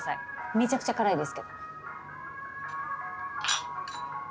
めちゃくちゃ辛いですけど。